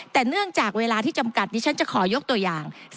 แต่เนื่องจากเวลาที่จำกัดดิฉันจะขอยกตัวอย่าง